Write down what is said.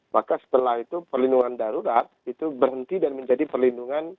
maka setelah itu perlindungan darurat itu berhenti dan menjadi perlindungan